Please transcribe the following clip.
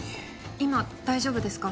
今大丈夫ですか？